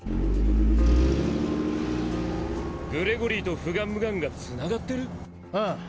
グレゴリーとフガンムガンがつながってる⁉ああ。